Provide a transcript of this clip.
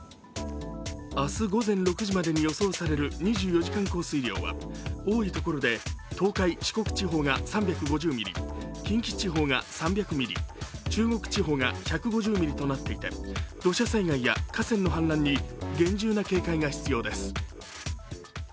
明日、午前６時までに予想される２４時間降水量は多いところで東海・四国地方が３５０ミリ近畿地方が３００ミリ、中国地方が１５０ミリとなっていて土砂災害や河川の氾濫に厳重な警戒が必要です。